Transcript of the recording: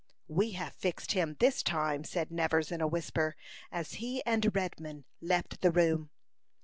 "We have fixed him this time," said Nevers, in a whisper, as he and Redman left the room.